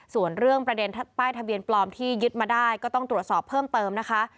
ส่วนเรื่องประเด็นป้ายทะเบียนปลอมที่ยึดมาได้ก็ต้องตรวจสอบเพิ่มเติมนะคะ